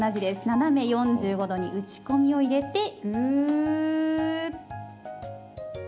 斜め４５度に打ち込みを入れて、ぐーっ。